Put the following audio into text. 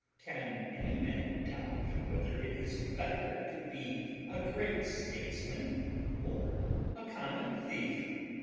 Can any man doubt whether it is better to be a great statesman or a common thief?